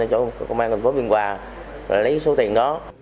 cho công an thành phố biên hòa lấy số tiền đó